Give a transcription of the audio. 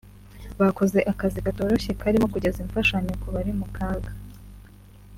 Bakoze akazi katoroshye karimo kugeza imfashanyo ku bari mu kaga